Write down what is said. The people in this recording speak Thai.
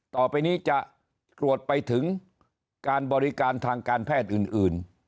ต่อไปนี้จะตรวจไปถึงการบริการทางการแพทย์อื่น